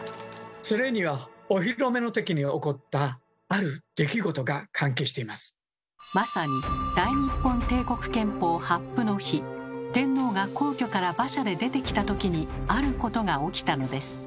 それにはまさに大日本帝国憲法発布の日天皇が皇居から馬車で出てきたときにあることが起きたのです。